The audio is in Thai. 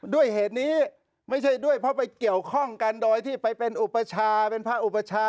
ด้วยเหตุนี้ไม่ใช่ด้วยเพราะไปเกี่ยวข้องกันโดยที่ไปเป็นอุปชาเป็นพระอุปชา